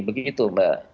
begitu mbak putri